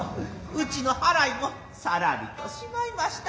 内の払いもさらりと仕舞いました。